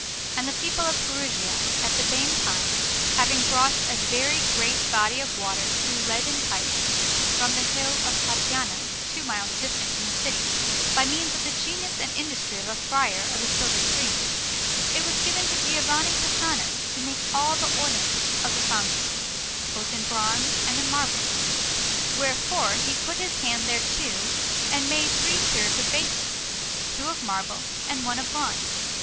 And the people of Perugia, at the same time, having brought a very great body of water through leaden pipes from the hill of Pacciano, two miles distant from the city, by means of the genius and industry of a friar of the Silvestrines, it was given to Giovanni Pisano to make all the ornaments of the fountain, both in bronze and in marble; wherefore he put his hand thereto and made three tiers of basins, two of marble and one of bronze.